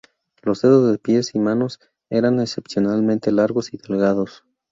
Los dedos de pies y manos eran excepcionalmente largos y delgados.